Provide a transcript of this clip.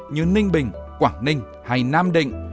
như ninh bình quảng ninh hay nam định